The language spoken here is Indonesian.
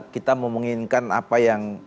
kita memungkinkan apa yang